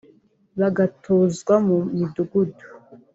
bagatuzwa mu midugudu